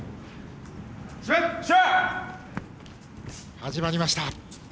始まりました。